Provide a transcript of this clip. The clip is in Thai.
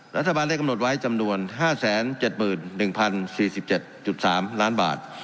รัฐบาลได้กำหนดไว้จำนวน๕๗๑๐๔๗๓ล้านบาท